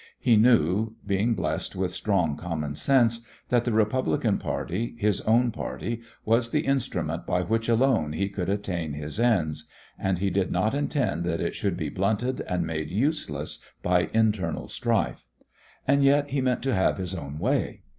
He knew, being blessed with strong common sense, that the Republican Party, his own party, was the instrument by which alone he could attain his ends, and he did not intend that it should be blunted and made useless by internal strife. And yet he meant to have his own way.